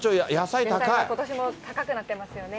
ことしも高くなってますよね